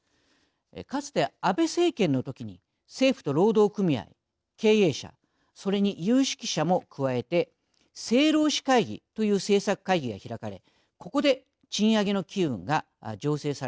かつて安倍政権のときに政府と労働組合経営者それに有識者も加えて政労使会議という政策会議が開かれここで賃上げの機運が醸成されていきました。